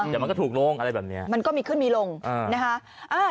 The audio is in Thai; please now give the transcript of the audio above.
แต่มันก็ถูกลงอะไรแบบนี้มันก็มีขึ้นมีลงนะคะ